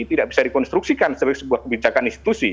tidak bisa dikonstruksikan sebagai sebuah kebijakan institusi